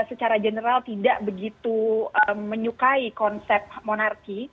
secara general tidak begitu menyukai konsep monarki